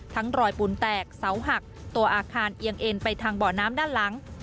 รอยปูนแตกเสาหักตัวอาคารเอียงเอ็นไปทางเบาะน้ำด้านหลัง